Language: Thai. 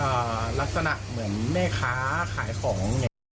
อ่าลักษณะเหมือนแม่ค้าขายของ